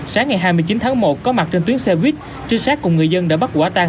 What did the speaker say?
sáng ngày hai mươi chín tháng một có mặt trên tuyến xe buýt trinh sát cùng người dân đã bắt quả tang